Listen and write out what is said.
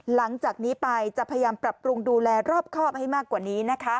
หลังจากนี้ไปจะพยายามปรับปรุงดูแลรอบครอบให้มากกว่านี้